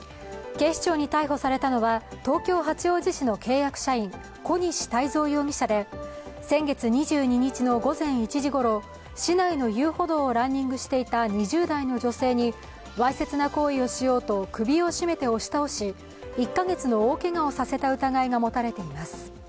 警視庁に逮捕されたのは東京・八王子市の契約社員小西太造容疑者で先月２２日の午前１時頃、市内の遊歩道をランニングしていた２０代の女性にわいせつな行為をしようと首を絞めて押し倒し１カ月の大けがをさせた疑いが持たれています。